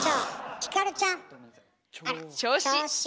ひかるちゃん。調子！